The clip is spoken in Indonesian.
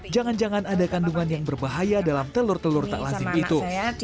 jangan jangan ada kandungan yang berbahaya dalam telur telur tak lazim itu